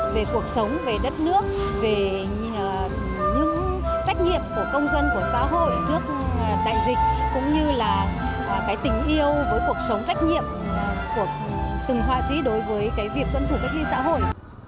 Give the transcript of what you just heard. về cuộc sống về đất nước về những trách nhiệm của công dân của xã hội trước đại dịch cũng như là cái tình yêu với cuộc sống trách nhiệm của từng họa sĩ đối với việc tuân thủ cách ly xã hội